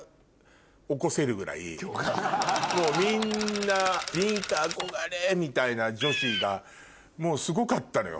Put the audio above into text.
もうみんな「梨花憧れ！」みたいな女子がもうすごかったのよ